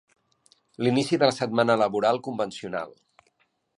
L'inici de la setmana laboral convencional.